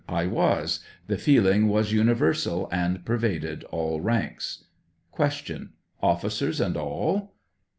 I was ; the feeling was universal, and pervaded all ranks. Q. Officers and all